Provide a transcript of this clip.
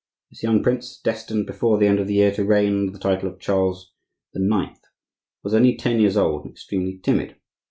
This young prince, destined before the end of the year to reign under the title of Charles IX., was only ten years old and extremely timid.